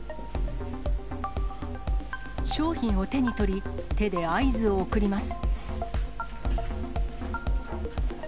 商品を手に取り、手で合図を送ります。